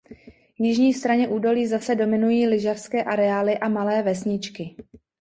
Jižní straně údolí zase dominují lyžařské areály a malé vesničky.